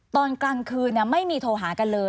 ตอนกลางคืนไม่มีโทรหากันเลย